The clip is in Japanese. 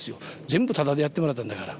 全部タダでやってもらったんだから。